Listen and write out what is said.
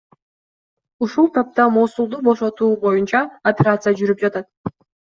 Ушул тапта Мосулду бошотуу боюнча операция жүрүп жатат.